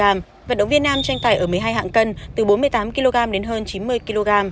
trong đó vận động viên nữ tranh tài ở một mươi hai hạng cân từ bốn mươi tám kg đến hơn chín mươi kg